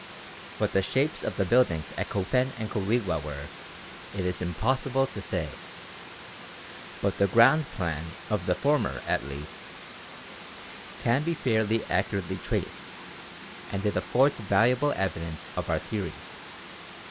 What the shapes of the buildings at Copan and Quirigua were it is impossible to say. But the ground plan of the former at least can be fairly accurately traced, and it affords valuable evidence of our theory.